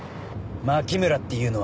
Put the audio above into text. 牧村っていうのは？